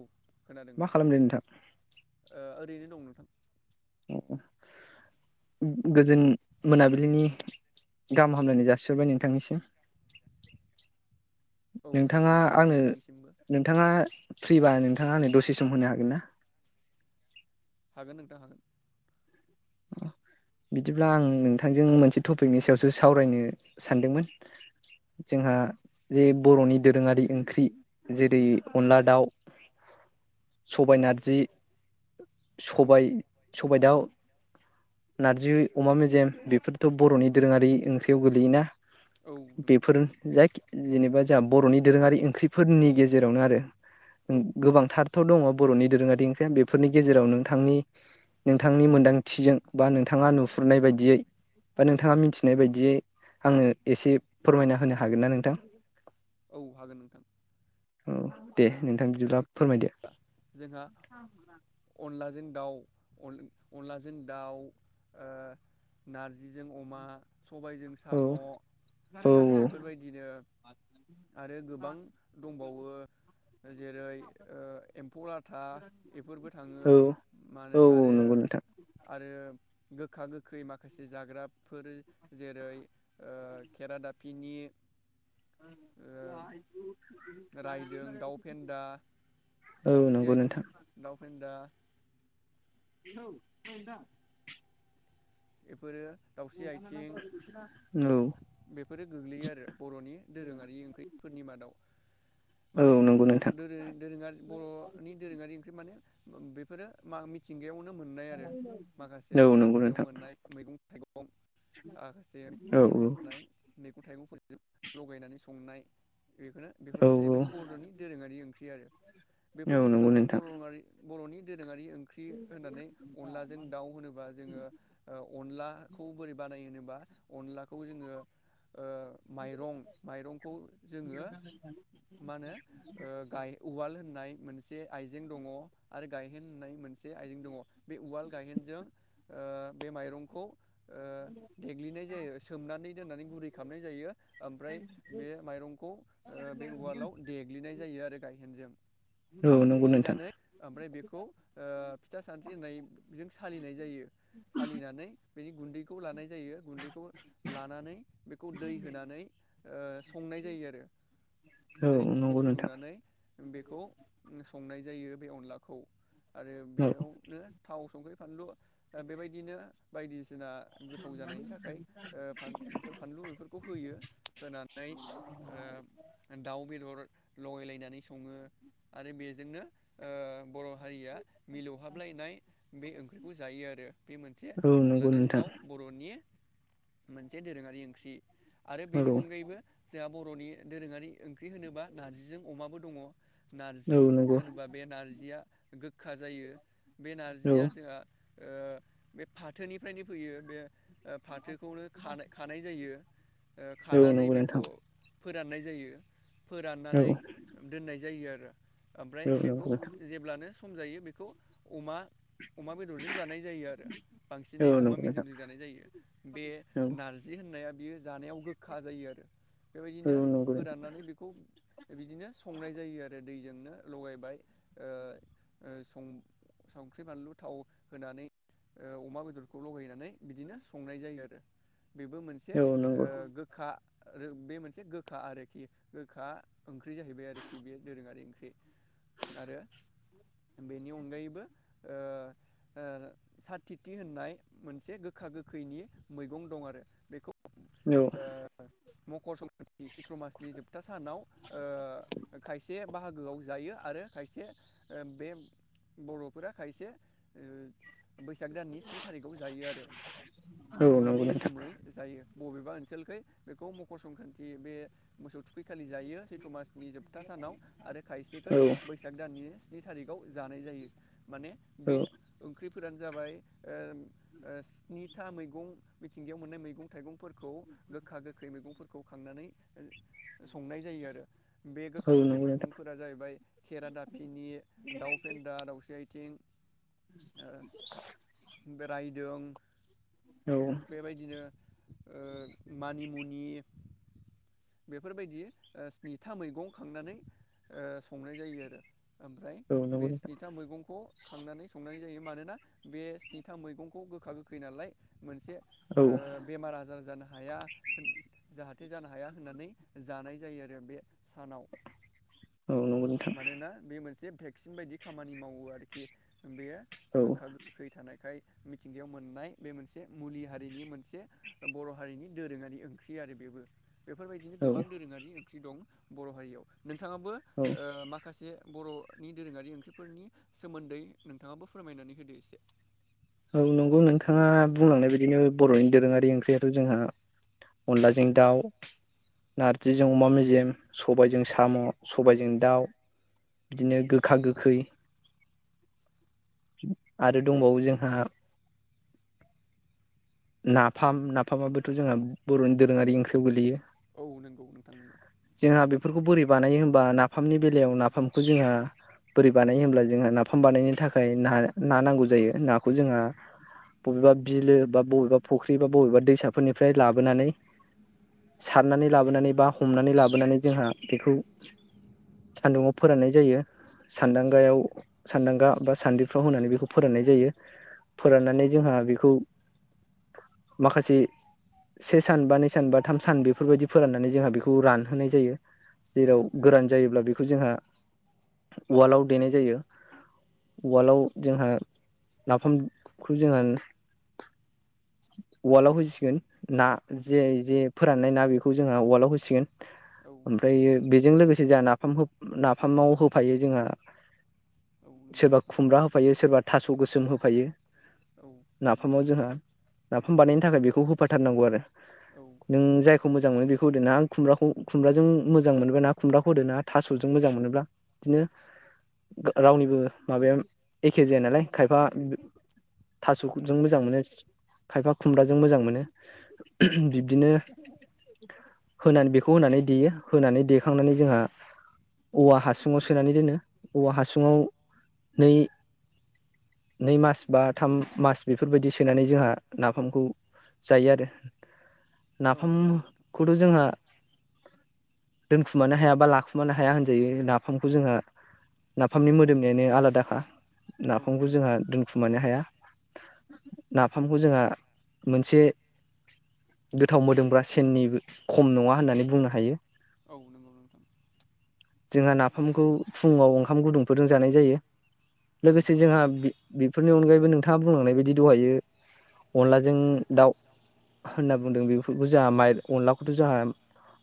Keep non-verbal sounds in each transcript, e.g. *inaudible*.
औ खोनादों मा नोंथां खालामदों ओ ओरैनो दं नोंथां गोजोन मोनाबिलिनि गाहाम हामलायनाय जासिहरबाय नोंथांनिसिम औ दे नोंथाङा नोंथां आंनो नोंथांनिसिमबो नोंथाङा फ्रिबा नोंथाङा नोंथांआ आंनो दसे सम होनो हागोन ना हागोन नोंथां हागोन बिदिब्ला आं नोंथांजों मोनसे टपिकनि सायावसो सावरायनो सानदोंमोन जोंहा जे बर'नि दोरोङारि ओंख्रि जेरै अनला दाउ सबाय नारजि औ सबाय खबबायदाव नारजि अमा मेजेम बेफोरथ' बर'नि दोरोङारि ओंख्रियाव गोगलैयोना औ नंगौ बेफोरुर जायाख जेनेबा जोंहा बर'नि दोरोङारि ओंख्रिफोरनि गेजेरावनो आरो औ गोबांथार फाथाव दङ बर'नि दोरोङारि ओंख्रिया बेफोरनि गेजेराव नोंथांनि नोंथांनि मोन्दां थिजों बा नोंथाङा नुहुरनाय बायदियै बा औ नोंथाङा मिथिनाय बायदियै आङो एसे फोरमायना होनो हागोन ना नोंथां औ हागोन नोंथां औ दे नोंथां बिदिब्ला फोरमायदो जोंहा आथा अनलाजों दाउ अनलाजों दाउ नारजिजों अमा सबायजों औ साम' औ बेफोरबायदिनो आरो गोबां दंबावो जेरै फलाथा बेफोरबो थाङो औ म औ औ आरो नंगौ नोंथां आरो गोखा गोखै माखासे जाग्राफोर जेरै खेराादाफिनि ज ज रायदों दाउ फेन्दा औ नंगौ नोंथां फिडा औ जदा बेफोर दाावस्रि आथिं औ बेफोरो गोग्लैयो आरो बर'नि दोरोङारि ओंख्रिफोरनि मादाव औ माने नंगौ नोंथां दोरोङारि बर'नि दोरोङारि ओंख्रि माने बेफोरो म मिथिंगायावनो मोन आरो औ माखासे नंगौ मिथिंग नोंथां मोननाय *unintelligible* औ मोननाय थाइगंफोरजों लगायनानै संनाय बेखौनो औ बेफोरनो जाहैबाय बर'नि दोरोङारि ओं ख्रि आरो बेफोरनि नंगौ बादावनो नोंथां बर'आारि बर'नि दो दोरोङारि ओंख्रि होनानै अनलाजों दाउ होनोबा जोङो औ अनलाखौ बोरै बानायो होनो बा अनलाखौ जोङो ओ माइरं माइरंखौ जोङो मा होनो ओ गाय उवाल होननाय मोनसे आइजें दङ आरो गाय हेन होननाय मोनसे आइजें दङ बे उवाल गायहेनजों बे माइरंखौ ओ देग्लिनाय जायो सोमनानै दोननानै गुरै खालामनाय जायो ओमफ्राय बे माइरंखौ ओ बे उवालाव देग्लिनाय जायो आरो गायहेनजों औ नंगौ नोंथां देग्लिनानै ओमफ्राय बेखौ ओ फिथा सान्द्रि होननायजों सालिनाय जायो सालिनानै बेनि गुन्दैखौ लानाय जायो गुन्दैखौ लानानै बेखौ दै होनानै ओ संनाय जायो आरो औ दै ग्रुब ग्रुब नंगौ नोंथां फुदुंनानै बेखौ संनाय जायो बे अनलाखौ आरो औ बेयावनो थाव संख्रि फानलु बेबाय दिनो बायदिसि ना गोथाव जानायनि थाखाय ओ फान बेफोर फानलु बेफोरखौ होयो होनानै ओ दाउ बेदर लगायलायनानै सङो आरो बेजोंनो ओ बर' हारिया मिलौहाबलायनाय बे ओंख्रिखौ जायो आरो बे मोनसे औ नंगौ अनलाजों नोंथां दाउ बर'नि मोनसे दोरोङारि ओंख्रि आरो औ बेनि अनगायैबो जोंहा बर'नि दोरोङारि ओं ख्रि होनोबा नारजिजों अमाबो दङ औ नारजि नंगौ होनोबा बे नारजिया गोखा जायो बे औ नारजिया जोंहा ओ बे फाथोनिफ्रायनो फैयो बे फाथोखौनो खाना खानाय जायो ओ औ खानानै नंगौ नोंथां बेखौ फोराननाय जायो औ फोराननानै दोननाय जायो आरो ओ ओमफ्राय औ बेखौ नंगौ जेब्लानो खम जायो बेखौ अमा अमा बेदरजों जानाय जायो आरो नोंथां बांसिनै औ अमा नंगौ नोंथां मेजेमजों जानाय जायो बे औ नारजि होननाया बियो जानायाव गोखा जायो आरो। बेबायदिनो औ नंगौ नोंथां फोराननानै बेखौ बिदिनो संनाय जायो आरो दैजोंनो लगायबाय ओ ओ सं संख्रि बानलु थाव होनानै ओ अमा बेदरखौ लगायनानै बिदिनो संनाय जायो आरो। बेबो मोनसे औ ओ नंगौ गोखा आरो बे मोनसे गोखा आरोखि गोखा ओंख्रि जाहैबाय आरोखि बे दोरोङारि ओंख्रि आरो बेनि अनगायैबो ओ ओ साथ थिथि होननाय मोनसे गोखा गोखैनि मैगं दं आरो बेखौ औ ओ। मकर संक्रान्ति नि चैत्र मासनि जोबथा सानाव ओ खायसे बाहागोआव जायो आरो खायसे बे बर'फोरा खायसे ओ बैसाग दाननि स्नि थारिखआव जायो आरो, औ नंगौ मोननै नोंथां रोखोमै जायो। बबेबा ओनसोलखै बेखौ मकर संक्रान्ति बे मोसौ थुखै खालि जायो सैथ्र' मासनि जोबथा सानाव आरो खायसेखै औ बैसाग दाननि नि थारिखआव जानाय जायो माने औ बे ओंख्रि फोरानो जाबाय ओ ओ स्निथा मैगं मिथिंगायाव मोननाय मैगं थाइगं फोरखौ गोखा गोखै मैगंफोर खौ खांनानै ओ संनाय जायो आरो। बे गोखा औ गोखै नंगौ नोंथां मैगंफोरा जाहैबाय खेरा दाफिनि, दाउ फेन्दा, दावस्रि आइ थिं *inaudible* बे रायदों औ बेबायदिनो ओ मानिमुनि बेफोरबायदि ओ स्निथा मैगं खांनानै ओ संनाय जायो आरो। ओमफ्राय औ बे नंगौ नोंथां स्निथा मैगंखौ खांनानै संनाय जायो मानोना बे स्निथा मैगंखौ गोखा गोखै नालाय मोनसे औ ओ बेमार आजार जानो हाया होन जाहाथे जानो हाया होननानै जानाय जायो आरो बे सानाव, औ नंगौ नोंथां मानोना बे मोनसे भेक्सिन बायदि खामानि मावो आरोखि बेयो औ गोखा गोखै थानाय खाय मिथिंगायाव मोननाय बे मोनसे मुलि हारिनि मोनसे बर' हारिनि दोरोङारि ओंख्रि आरो बेबो बेफोरबायदिनो औ गोबां दोरोङारि दं बर' हारियाव नोंथां आबो औ माखासे बर'नि दोरोङारि ओंख्रिफोरनि सोमोन्दै नोंथाङाबो फोरमायनानै होदो एसे औ नंगौ नोंथाङा बुंलांनाय बादिनो बर'नि दोरोङारि ओंख्रियाथ' जोंहा अनलाजों दाउ नारजिजों अमा मेजेम सबायजों साम' सबायजों दाउ बिदिनो गोखा गोखै आरो दंबावो जोंहा नाफाम नाफामाबोथ' जोंहा बर'नि दोरोङारि ओंख्रियाव गोगलैयो औ नंगौ नोंथां नंगौ बेफोरखौ बोरै बानायो होमबा नाफामनि बेलायाव नाफामखौ जोंहा बोरै बानायो होमब्ला जोंहा नाफाम बानायनायनि थाखाय ना नांगौ जायो नाखौ जोंहा बबेबा बिलो बा बबेबा फुख्रि बा बबेबा दैसाफोरनिफ्राय लाबोनानै सारनानै लाबोनानै बा हमनानै लाबोनानै जोंहा बेखौ सान्दुुंआव फोराननाय जायो सान्दांगायाव सानदांगा बा सान्द्रिफ्राव होनानै बेखौ फोराननाय जायो फोराननानै जोंहा बेखौ माखासे से सान बा नै सान बा थाम सान बेफोरबायाददि फोराननानै जोंहा बेखौ रानहोनाय जायो औ जेराव नंगौ गोरान नोंथां जायोब्ला बेखौ जोंहा उवालाव देनाय जायो उवालाव जोंहा नाफामखौ जोंहा उवालाव होसिगोन ना जे जे फोराननाय ना बेखौ जोंहा उवालाव होसिगोन औ नंगौ ओमफ्राय नोंथां बेजों लोगोसे जोंहा नाफाम खौ नाफामाव होफायो जोंहा औ नंगौ सोरबा नोंथां खुमब्रा होफायो सोरबा थास' गोसोम होफायो औ नंगौ नाफामाव नोंथां जोंहा औ नाफाम बानायनो थाखाय बेखौ होफाथारनांगौ आरो औ नों जाय बेखौ मोजां मोनो बेखौ होदो ना आं खुम्राखौ खुमब्राजों मोजां मोनोबा ना खुमब्राखौ होदो ना थास'जों मोजां मोनोब्ला बिदिनो रावनिबो माबाया एखे जाया नालाय खायफा थास'जों मोजां मोनो खायफा खुमब्राजों मोजां मोनो बिब्दिनो होनानै बेखौ होनानै देयो होनानै देखांनानै जोंहा औवा हासुङाव सोनानै दोनो औवा हासुङाव नै नै मास बा थाम मास बेफोरबायदि सोनानै जोंहा नाफामखौ जायो आरो औ नंगौ नोंथां औ नंगौ नोंथां नाफामखौथ' जोंहा दोनखुमानो हाया बा लाखुमानो हाया होनजायो नाफामखौ जोंहा नाफामनि मोदोमनायानो आलादाखा जों नाफामखौ मोननो जोंहा दोनखुमानो हाया ना नाफामखौ जोंहा मोनसे गोथाव मोदोमग्रा सेननि खम नङा होननानै बुंनो हायो औ नंगौ नोंथां जोंहा नाफामखौ फुङाव ओं ओंखाम गुदुंफोरजों जानाय जायो औ लोगोसे नंगौ जोंहा नोंथां बेफोरनि अनगायैबो नों हा बुंनाय बायदि दहायो अनलाजों दाउ होनना बुंदों बेफोरखौ जोंहा अनलाखौथ' जोंहा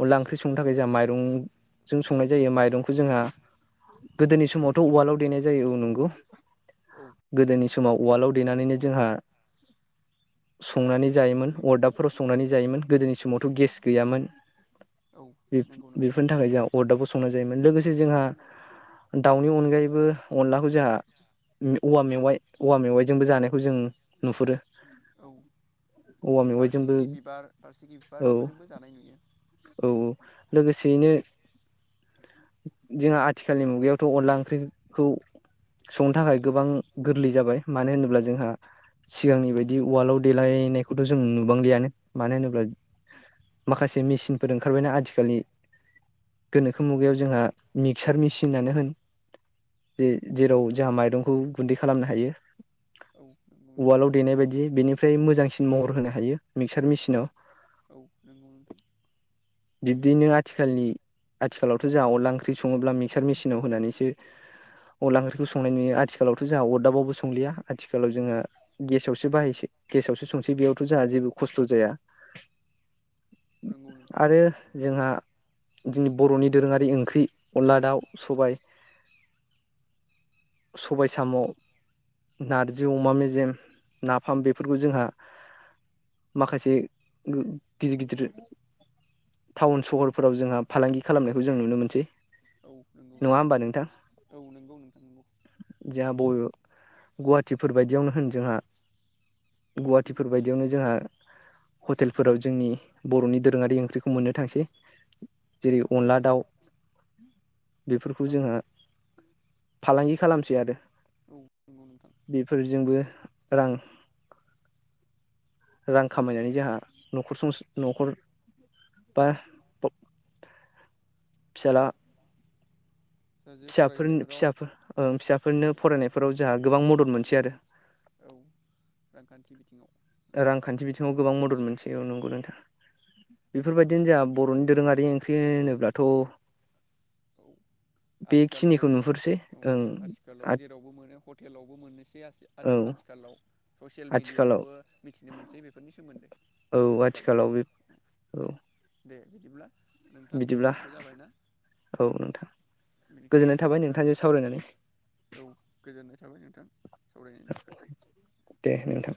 अनला ओंख्रि संनो थाखाय जोंहा माइरंजों संनाय जायो माइरंखौ औ जोंहा गोदोनि समावथ' उवालाव देनाय जायो नंगौ औ गोदोनि समाव उवालाव देनानैनो जोंहा संनानै जायोमोन अरदाबफोराव संनानै जायोमोन गोदोनि समावथ' गेस गैयामोन औ नंगौ नोंथां बेफोरनि थाखाय जोंहा अरदाबाव संना-' जायोमोन लोगोसे जोंहा दाउनि अनगायैबो अनलाखौ जोंहा औवा मेवाइ औवा मेवाइजोंबो जानायखौ जों नुहुरो औ औवा आरो मेवाइजोंबो बारसिखि बिबार बारसिखि बिबार औ बेफोरजोंबो जानाय नुयो औ लोगोसेयैनो जोंहा आथिखालनि मुगायावथ' अनला ओंख्रिखौ संनो थाखाय गोबां गोरलै जाबाय मानो होनोब्ला औ जोंहा सिगांनि बायदि वालाव देलायनायखौथ' जों नुबांलियानो मानो होनोब्ला माखासे मेसिनफोर ओंखारबायना आथिखालनि गोनोखो मुगायाव जोंहा मिक्सार मेसिनानो होन जे जेराव जोंहा माइरंखौ गुन्दै खालामनो हायो नंगौ नोंथां वालाव देनायबायदि बेनिफ्राय मोजांसिन महर होनो हायो मिक्सार मेसिनाव औ नंगौ नोंथां बिब्दिैनो आथिखालनि आथिखालावथ' जोंहा अनला ओंख्रि सङोब्ला मिक्सार मेसिनाव होनानैसो अनला ओंख्रिखौ संनाय नुयो आथिखालावथ' जोंहा अरदाबावबो संलिया आथिखालाव जोंङो गेसावसो बाहायसै गेसावसो संसै बेयावथ' जोंहा जेबो खस्थ' जाया नंगौ नोंथां आरो जोंहा जोंनि बर'नि दोरोङारि ओंख्रि अनला दाउ सबाय औ सबाय साम' नारजि अमा मेज जेम नाफाम बेफोरखौ जोंहा माखासे गो गिदिर गिदिर टाउन औ सहरफोराव जोंहा फालांगि खालामनायखौ जों नुनो मोनसै औ नंगौ नङा होमबा नोंथां औ नंगौ नोंथां नंगौ जोंहा बबे गुवाहाटिफोर बायदि बिदियावनो होन जोंहा गुवाहाटिफोर बायदियावनो जोंहा हटेलफोराव जोंनि बर'नि दोरोङारि ओंख्रिखौ मोननो थांसै जेरै अनदला दाउ बेफोरखौ औ जोंहा फालांगि खालामसै आरो औ नंगौ नोंथां बे जोंबो रां रां खामायनानै जोंहा नखर सं न'खर बा ब फिसाला रां जो फिसाफोरनो फरायहोनायफोराव फिसाफोर ओं फिसाफोरनो फरायनायफोराव जोंहा गोबां मदद मोनसेै आरो औ रांखान्थि बिथिङाव रांखान्थि बिथिङाव गोबां मदद मोनसै औ नंगौ नोंथां बेफोरबायदिनो जोंहा बर'नि दोरोङारि ओंख्रि होनोब्लाथ' औ आथिखालाव बेखिनिखौ नुहुरसै औ ओं आथिखालाव जेरावबो मोनो हटेलावबो मोननोसै औ आथिखालाव ससियेल आथिखालाव मिेडियायावबो मिथिनो मोनसै बेफोरनि सोमोन्दै औ आथिखालाव बे औ दे बिदिब्ला नोंथां बिदिब्ला समाबो जाबायना औ नोंथां बेनिखायनो गोजोननाय थाबाय नोंथांजों सावरायनानै ओ औ गोजोननाय थाबाय नोंथां सावरायनायनि थाखाय दे नोंथां